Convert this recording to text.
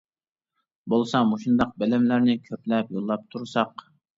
بولسا مۇشۇنداق بىلىملەرنى كۆپلەپ يوللاپ تۇرساق.